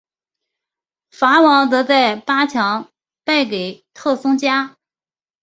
法网则在八强败给特松加。